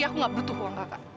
aku gak butuh uang kakak